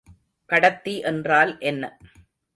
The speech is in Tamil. கடத்தி என்றால் என்ன?